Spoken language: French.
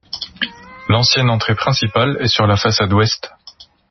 L’ancienne entrée principale est sur la façade ouest.